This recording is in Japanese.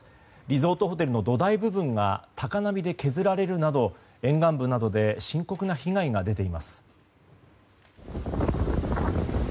リゾートホテルの土台部分が高波で削られるなど沿岸部などで深刻な被害が出ています。